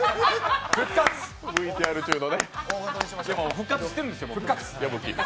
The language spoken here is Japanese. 復活してるんですよ、もう。